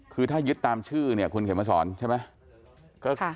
คือถ้ายึดตามชื่อเนี่ยคุณเขมสอนใช่ไหม